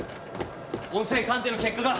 音声鑑定の結果が。